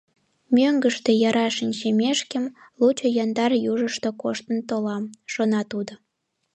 «Мӧҥгыштӧ яра шинчымешкем лучо яндар южышто коштын толам», — шона тудо.